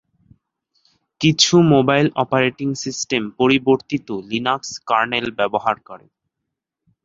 কিছু mobile operating system পরিবর্তিত Linux kernel ব্যবহার করে।